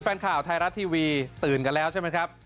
แฟนข่าวไทยรัฐทีวีตื่นกันแล้วใช่ไหมครับ